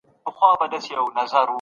د ژوند معيار بايد ښه سي.